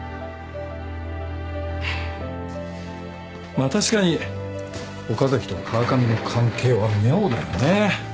まあ確かに岡崎と川上の関係は妙だよね。